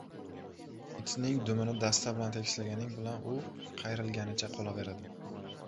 • Itning dumini dasta bilan tekislaganing bilan u qayrilganicha qolaveradi.